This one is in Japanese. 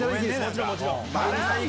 もちろん、もちろん。